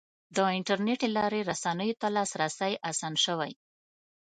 د انټرنیټ له لارې رسنیو ته لاسرسی اسان شوی.